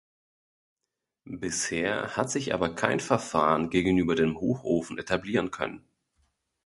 Bisher hat sich aber kein Verfahren gegenüber dem Hochofen etablieren können.